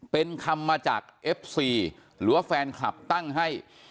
เป็นคำมาจากแฟนขลับตั้งให้